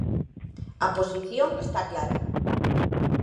A posición está clara.